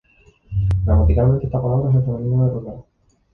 Gramaticalmente, esta palabra es el femenino de "rural".